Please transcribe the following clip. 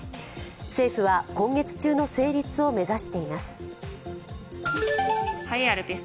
政府は、今月中の成立を目指しています。